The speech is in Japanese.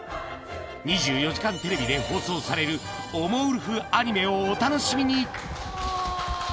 ２４時間テレビで放送される、おもウルフアニメをお楽しみに。